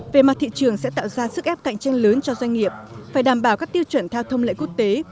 về mặt thị trường sẽ tạo ra sức ép cạnh tranh lớn cho doanh nghiệp phải đảm bảo các tiêu chuẩn theo thông lệ quốc tế